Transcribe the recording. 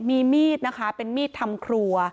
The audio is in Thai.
มีมีดนะคะเป็นมีดทำครัว